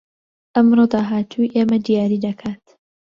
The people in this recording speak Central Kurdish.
ئەمڕۆ داهاتووی ئێمە دیاری دەکات